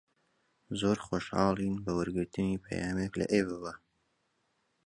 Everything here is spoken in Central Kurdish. زۆر خۆشحاڵین بە وەرگرتنی پەیامێک لە ئێوەوە.